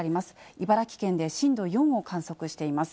茨城県で震度４を観測しています。